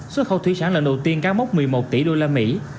xuất khẩu thủy sản lần đầu tiên cán mốc một mươi một tỷ đô la mỹ